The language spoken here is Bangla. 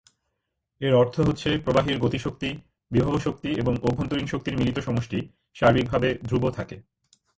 এর অর্থ হচ্ছে, প্রবাহীর গতি শক্তি, বিভব শক্তি এবং অভ্যন্তরীণ শক্তির মিলিত সমষ্টি সার্বিকভাবে ধ্রুব থাকে।